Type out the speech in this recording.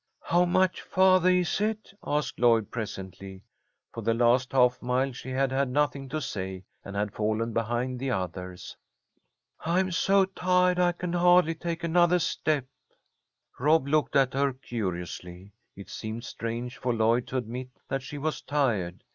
"How much farthah is it?" asked Lloyd, presently. For the last half mile she had had nothing to say, and had fallen behind the others. "I'm so tiahed I can hardly take another step." Rob looked at her curiously. It seemed strange for Lloyd to admit that she was tired.